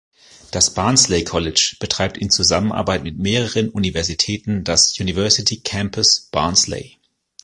Das "Barnsley College" betreibt in Zusammenarbeit mit mehreren Universitäten das "University Campus Barnsley".